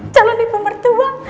calon ibu mertua